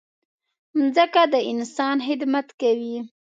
مځکه د انسان خدمت کوي.